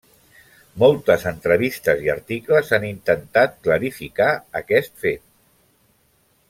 Moltes entrevistes i articles han intentat clarificar aquest fet.